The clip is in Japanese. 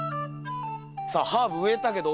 さあハーブ植えたけど覚えてる？